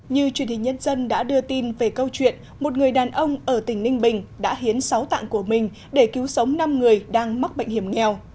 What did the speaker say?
như truyền hình nhân dân đã đưa tin về câu chuyện một người đàn ông ở tỉnh ninh bình đã hiến sáu tạng của mình để cứu sống năm người đang mắc bệnh hiểm nghèo